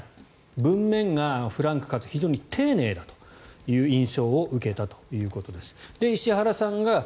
文面がフランクかつ非常に丁寧だという印象を受けたということです。